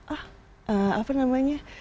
ah apa namanya